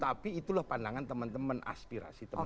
tapi itulah pandangan teman teman aspirasi teman teman